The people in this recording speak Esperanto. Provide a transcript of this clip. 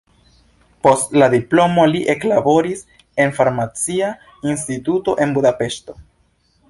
Post la diplomo li eklaboris en farmacia instituto en Budapeŝto.